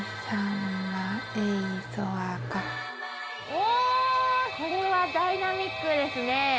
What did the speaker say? おこれはダイナミックですね